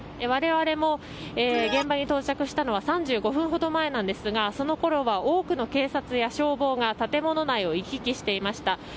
我々も現場に到着したのは３５分ほど前なんですがそのころは多くの警察や消防が建物内を行き来していました。